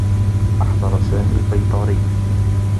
أحضر سامي البيطري.